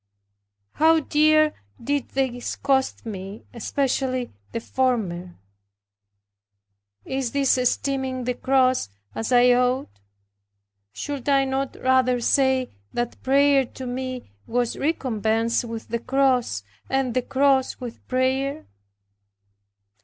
How dear did these cost me, especially the former! Is this esteeming the cross as I ought? should I not rather say that prayer to me was recompensed with the cross, and the cross with prayer.